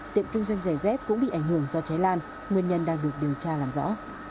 tiệm kinh doanh giày dép cũng bị ảnh hưởng do cháy lan nguyên nhân đang được điều tra làm rõ